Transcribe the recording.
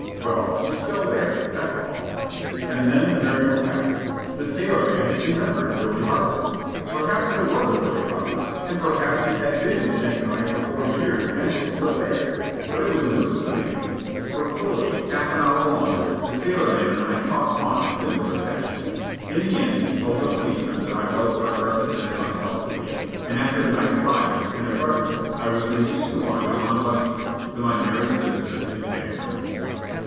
Well, he's still there, that's all." And then the miracle happened. The sailorman remembered Billy Harper. Perhaps there was a Billy Harper, and perhaps he had been in Shanghai for forty years and was still there; but it was news to me. For fully half an hour longer, the sailorman and I talked on in similar fashion. In the end he told the policemen that I was what I represented myself to be, and after a night's lodging and a breakfast I was released to wander on westward to my married sister in San Francisco.